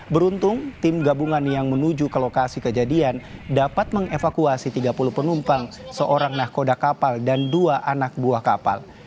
beruntung tim gabungan yang menuju ke lokasi kejadian dapat mengevakuasi tiga puluh penumpang seorang nahkoda kapal dan dua anak buah kapal